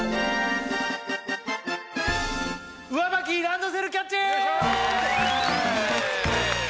上履きランドセルキャッチ！